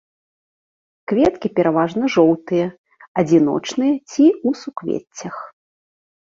Кветкі пераважна жоўтыя, адзіночныя ці ў суквеццях.